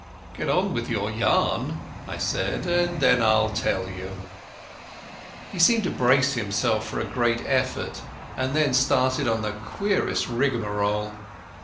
"Get on with your yarn," I said, "and I'll tell you." He seemed to brace himself for a great effort, and then started on the queerest rigmarole.